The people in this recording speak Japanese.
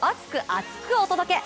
厚く！お届け！